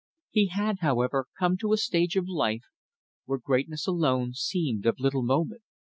He had, however, come to a stage of life where greatness alone seemed of little moment.